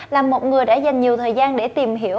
là một người đã dành nhiều thời gian để tìm hiểu